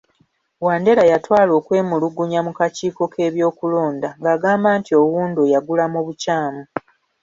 Wandera yatwala okwemulugunya mu kakiiko k'ebyokulonda ng'agamba nti Oundo yagula mu bukyamu